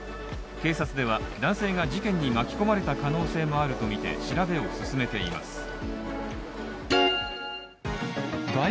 警察では男性が事故に巻き込まれた可能性もあるとみて調べを進めています。